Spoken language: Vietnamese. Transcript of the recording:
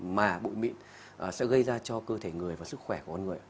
mà bụi mịn sẽ gây ra cho cơ thể người và sức khỏe của con người